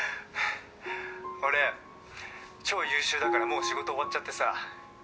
俺超優秀だからもう仕事終わっちゃってさ。